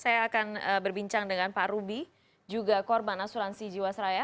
saya akan berbincang dengan pak ruby juga korban asuransi jiwasraya